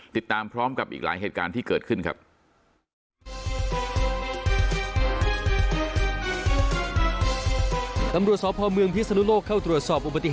ติดตามพร้อมกับอีกหลายเหตุการณ์ที่เกิดขึ้นครับ